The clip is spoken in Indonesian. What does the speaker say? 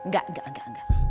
gak gak gak